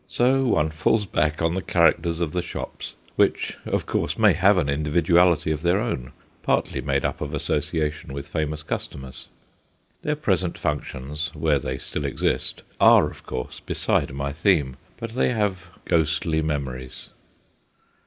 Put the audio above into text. So one falls back on the characters of the shops, which, of course, may have an individuality of their own, partly made up of association with famous customers. Their present functions where they still exist are of course beside my theme, but they have ghostly memories.